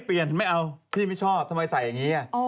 เปลี่ยนไม่เอาพี่ไม่ชอบทำไมใส่อย่างนี้